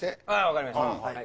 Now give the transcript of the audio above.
分かりました。